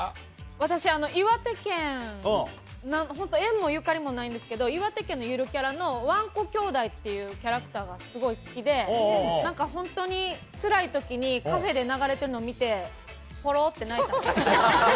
私、岩手県、なんか本当、縁もゆかりもないんですけど、岩手県のゆるキャラのわんこきょうだいっていうキャラクターがすごい好きで、なんか、本当につらいときに、カフェで流れてるのを見て、ぽろって泣いて。